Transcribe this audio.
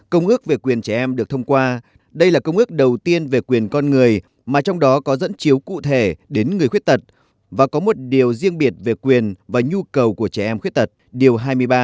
công ước về quyền trẻ em được thông qua đây là công ước đầu tiên về quyền con người mà trong đó có dẫn chiếu cụ thể đến người khuyết tật và có một điều riêng biệt về quyền và nhu cầu của trẻ em khuyết tật điều hai mươi ba